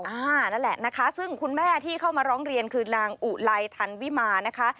นั่นแหละนะคะซึ่งคุณแม่ที่เข้ามาร้องเรียนคือนางอุไลทันวิมานะคะ